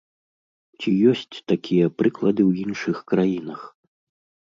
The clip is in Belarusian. Ці ёсць такія прыклады ў іншых краінах?